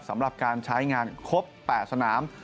สำหรับการใช้งานครบ๘สนาม